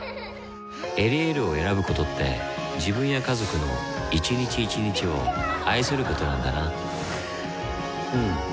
「エリエール」を選ぶことって自分や家族の一日一日を愛することなんだなうん。